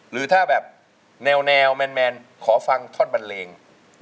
หรือถ้าแบบแนวแมนขอฟังท่อนบันเลง